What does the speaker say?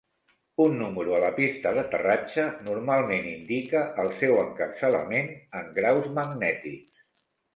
Un número a la pista d'aterratge normalment indica el seu encapçalament en graus magnètics.